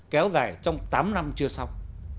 kéo dài trong tám năm chưa xong